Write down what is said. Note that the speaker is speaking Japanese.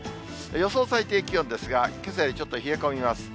予想最低気温ですが、けさよりちょっと冷え込みます。